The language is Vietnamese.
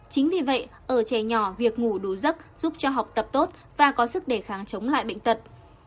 chính vì vậy ở trẻ nhỏ việc ngủ đủ giấc giúp cho học tập tốt và có sức để kháng chống lại bệnh tật